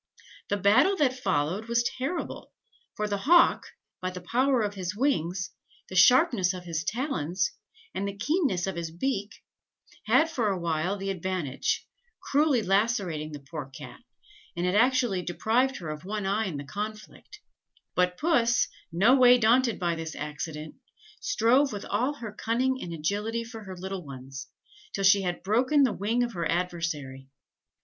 The battle that followed was terrible, for the hawk, by the power of his wings, the sharpness of his talons, and the keenness of his beak, had for awhile the advantage, cruelly lacerating the poor Cat, and had actually deprived her of one eye in the conflict; but Puss, no way daunted by this accident, strove with all her cunning and agility for her little ones, till she had broken the wing of her adversary.